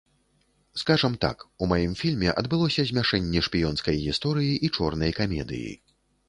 Скажам так, у маім фільме адбылося змяшэнне шпіёнскай гісторыі і чорнай камедыі.